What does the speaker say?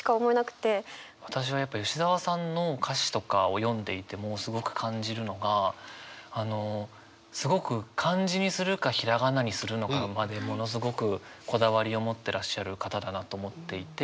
私はやっぱ吉澤さんの歌詞とかを読んでいてもすごく感じるのがあのすごく漢字にするかひらがなにするのかまでものすごくこだわりを持ってらっしゃる方だなと思っていて。